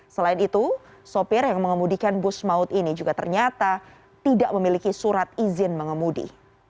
selain itu sopir yang mengemudikan bus maut ini juga ternyata tidak memiliki surat izin mengemudi